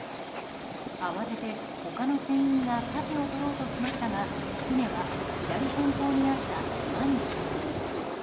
慌てて他の船員がかじを取ろうとしましたが船は左前方にあった岩に衝突。